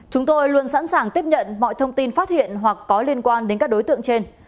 chúng tôi luôn sẵn sàng tiếp nhận mọi thông tin phát hiện hoặc có liên quan đến các đối tượng trên